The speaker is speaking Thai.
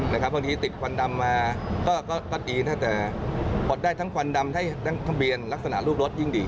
นะครับบางทีติดควันดำมาก็ก็ก็ดีถ้าจะกดได้ทั้งควันดำได้หลังทะเบียนลักษณะรูปรถยิ่งดี